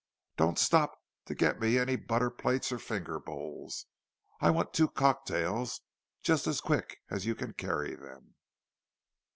Don't stop to get me any butter plates or finger bowls—I want two cock tails, just as quick as you can carry them!"